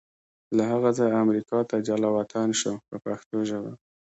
له هغه ځایه امریکا ته جلا وطن شو په پښتو ژبه.